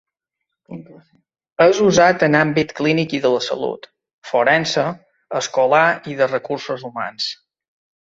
És usat en àmbit clínic i de la salut, forense, escolar i de recursos humans.